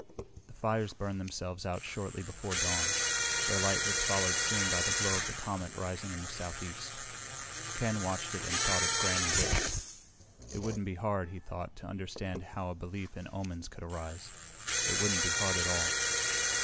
The fires burned themselves out shortly before dawn. Their light was followed soon by the glow of the comet rising in the southeast. Ken watched it and thought of Granny Wicks. It wouldn't be hard, he thought, to understand how a belief in omens could arise. It wouldn't be hard at all.